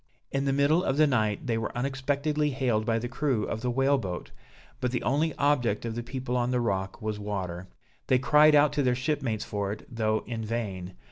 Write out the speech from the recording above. In the middle of the night they were unexpectedly hailed by the crew of the whale boat; but the only object of the people on the rock was water; they cried out to their shipmates for it, though in vain.